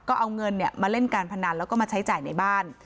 ก็เอาเงินมาเล่นการพนันแล้วก็มาใช้จ่ายในบ้าน